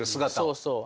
そうそう。